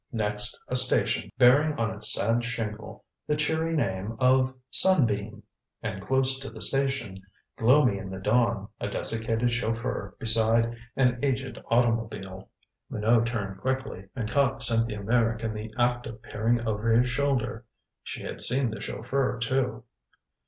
Next a station, bearing on its sad shingle the cheery name of "Sunbeam." And close to the station, gloomy in the dawn, a desiccated chauffeur beside an aged automobile. Minot turned quickly, and caught Cynthia Meyrick in the act of peering over his shoulder. She had seen the chauffeur too.